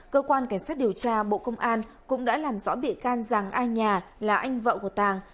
cơ quan cảnh sát điều tra bộ công an cũng đã làm rõ bị can giàng a nhà là anh vợ của tàng